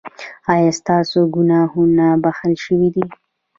ایا ستاسو ګناهونه بښل شوي دي؟